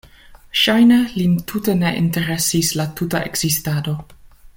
Ŝajne lin tute ne interesis la tuta ekzistado.